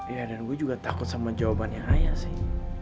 iya dan gue juga takut sama jawabannya ayah sih